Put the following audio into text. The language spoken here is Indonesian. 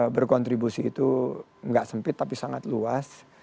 berkontribusi itu nggak sempit tapi sangat luas